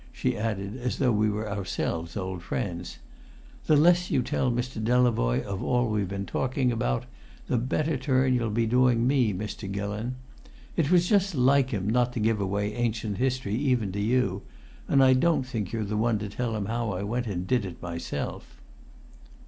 she added as though we were ourselves old friends. "The less you tell Mr. Delavoye of all we've been talking about, the better turn you'll be doing me, Mr. Gillon. It was just like him not to give away ancient history even to you, and I don't think you're the one to tell him how I went and did it myself!"